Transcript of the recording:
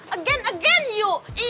again again you